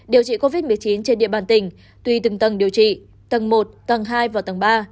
điều trị covid một mươi chín trên địa bàn tỉnh tùy từng tầng điều trị tầng một tầng hai và tầng ba